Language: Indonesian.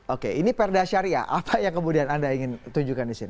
oke ini perda syariah apa yang kemudian anda ingin tunjukkan di sini